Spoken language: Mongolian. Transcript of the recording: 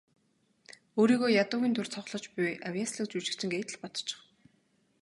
Өөрийгөө ядуугийн дүрд тоглож буй авъяаслагжүжигчин гээд л бодчих.